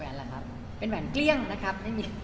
แหวนล่ะครับเป็นแหวนเกลี้ยงนะครับ